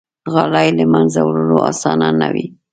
غالۍ له منځه وړل آسانه نه وي.